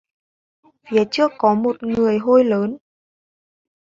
Phía trước có một người hôi lớn